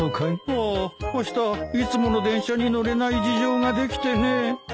あああしたいつもの電車に乗れない事情ができてね。